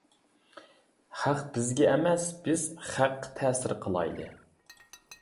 خەق بىزگە ئەمەس، بىز خەققە تەسىر قىلايلى!